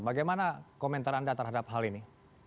bagaimana komentar anda terhadap hal ini